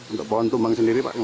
untuk pohon tumbang sendiri pak